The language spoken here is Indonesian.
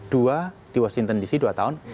dua di washington dc dua tahun